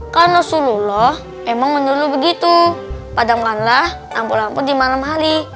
karena suruh emang menurut begitu padamkanlah lampu lampu di malam hari